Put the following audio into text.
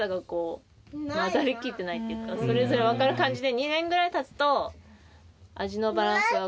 それぞれわかる感じで。